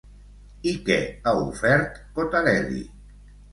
I què ha ofert Cottarelli?